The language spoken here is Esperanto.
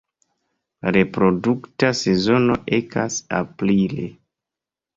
La reprodukta sezono ekas aprile.